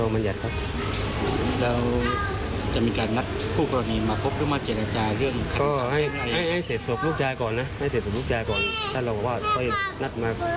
บ๊วยดนะครับคุณครับ